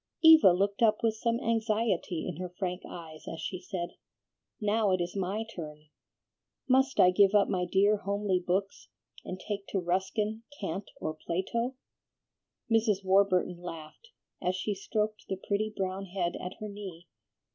Eva looked up with some anxiety in her frank eyes as she said, "Now it is my turn. Must I give up my dear homely books, and take to Ruskin, Kant, or Plato?" Mrs. Warburton laughed, as she stroked the pretty brown head at her knee.